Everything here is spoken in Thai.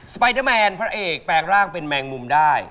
ไปเดอร์แมนพระเอกแปลงร่างเป็นแมงมุมได้